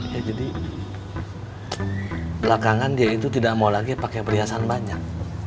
ya jadi belakangan dia itu tidak mau lagi pakai perhiasan banyak